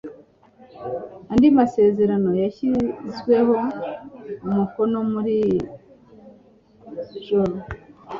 Andi masezerano yashyizweho umukono muri iri joro